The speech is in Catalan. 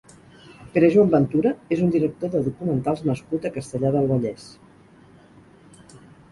Pere Joan Ventura és un director de documentals nascut a Castellar del Vallès.